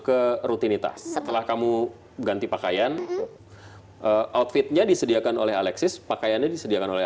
ke rutinitas setelah kamu ganti pakaian outfitnya disediakan oleh alexis pakaiannya disediakan oleh